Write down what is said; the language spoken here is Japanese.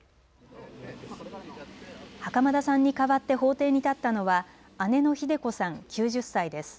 袴田さんに代わって法廷に立ったのは姉のひで子さん、９０歳です。